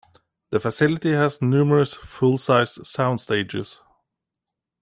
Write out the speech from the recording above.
The facility has numerous full-size sound stages.